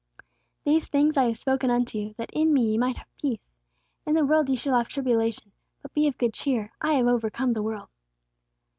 These things I have spoken unto you, that in me ye might have peace. In the world ye shall have tribulation: but be of good cheer; I have overcome the world."